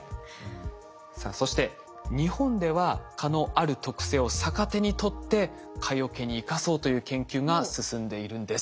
さあそして日本では蚊のある特性を逆手にとって蚊よけに生かそうという研究が進んでいるんです。